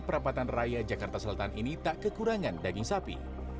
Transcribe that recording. perapatan raya jakarta selatan ini tak kekurangan daging sapi